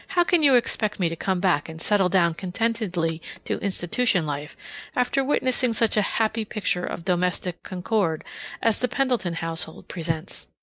How can you expect me to come back and settle down contentedly to institution life after witnessing such a happy picture of domestic concord as the Pendleton household presents?